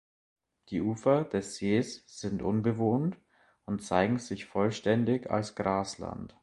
Die Ufer des Sees sind unbewohnt und zeigen sich vollständig als Grasland.